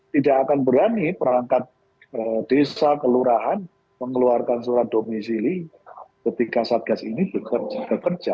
tidak akan berani perangkat desa kelurahan mengeluarkan surat domisili ketika satgas ini bekerja kerja